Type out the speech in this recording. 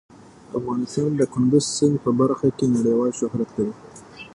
افغانستان د کندز سیند په برخه کې نړیوال شهرت لري.